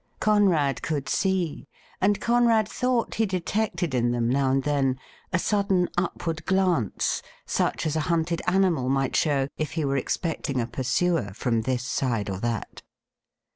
Conrad could see, and Conrad thought he detected in them now and then a sudden upward glance, such as a hunted animal might show if he were expecting a pursuer from this side or that.